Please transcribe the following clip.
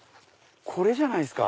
これじゃないっすか？